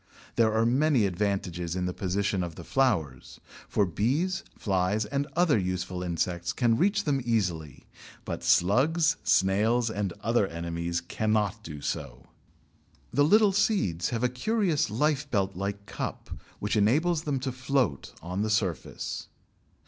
There are many advantages in the position of the flowers, for bees, flies, and other useful insects can reach them easily, but slugs, snails, and other enemies cannot do so. The little seeds have a curious lifebelt like cup, which enables them to float on the surface.